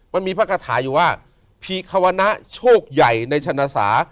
มันมีพระคาถาอยู่ว่าพีควนะโชคใหญ่ในชนะสา